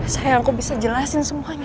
sayang kau bisa jelasin semuanya